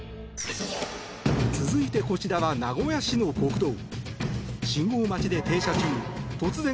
続いてこちらは名古屋市の国道。